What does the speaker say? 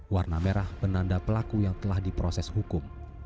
warna merah benanda pelaku yang telah diproses hukum